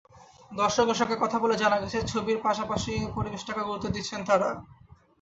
দর্শকের সঙ্গে কথা বলে জানা গেছে, ছবির পাশাপাশি পরিবেশটাকেও গুরুত্ব দিচ্ছেন তাঁরা।